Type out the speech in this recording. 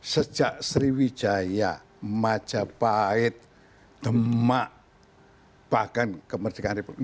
sejak sriwijaya majapahit demak bahkan kemerdekaan republik